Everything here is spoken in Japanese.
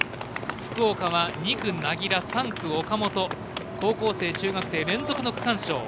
福岡は２区、柳楽３区、岡本高校生、中学生連続の区間賞。